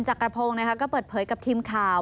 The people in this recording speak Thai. จักรพงศ์ก็เปิดเผยกับทีมข่าว